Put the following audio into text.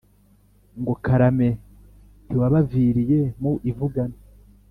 ngo : karame ntiwabaviriye mu ivugana.